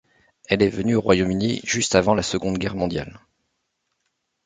Elle est venue au Royaume-Uni, juste avant la Seconde Guerre Mondiale.